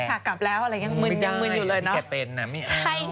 ถ้ากลับแล้วอะไรยังมึนอยู่เลยเนอะไม่ได้อย่างที่แกเป็นน่ะไม่เอา